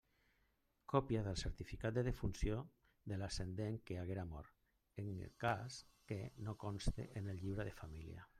Còpia del certificat de defunció de l'ascendent que haguera mort, en el cas que no conste en el llibre de família.